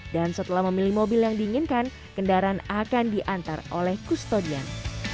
dan setelah memilih mobil yang diinginkan kendaraan akan diantar oleh kustodian